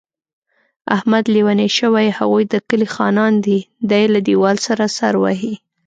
احمد لېونی شوی، هغوی د کلي خانان دي. دی له دېوال سره سر وهي.